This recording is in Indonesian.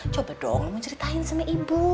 coba dong kamu ceritain sama ibu